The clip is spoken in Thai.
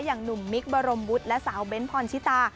อย่างหนุ่มมิคบรมวุฒิและสาวเบ้นพรชิตา